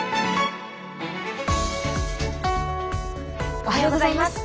おはようございます。